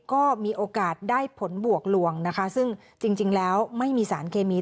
ก็มีโอกาสได้ผลบวกลวงนะคะซึ่งจริงแล้วไม่มีสารเคมี